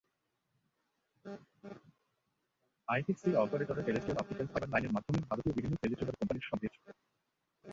ITC অপারেটররা terrestrial optical fibre লাইনের মাধ্যমে ভারতীয় বিভিন্ন টেলিযোগাযোগ কোম্পানির সঙ্গে যুক্ত।